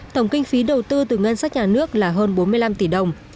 tổng kinh phí đầu tư từ ngân sách nhà nước là hơn bốn mươi năm tỷ đồng